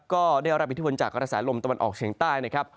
ก็ได้รับอิทธิพลจากกระแสลมตะวันออกเฉียงใต้นะครับ